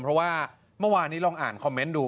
เพราะว่าเมื่อวานนี้ลองอ่านคอมเมนต์ดู